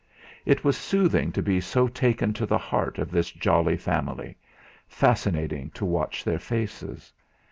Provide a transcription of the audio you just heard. It was soothing to be so taken to the heart of this jolly family, fascinating to watch their faces.